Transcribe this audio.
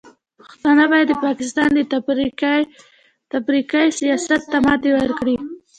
پښتانه باید د پاکستان د تفرقې سیاست ته ماتې ورکړي.